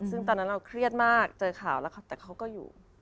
ซึ่งตอนนั้นเราเครียดมากเจอข่าวแล้วแต่เขาก็อยู่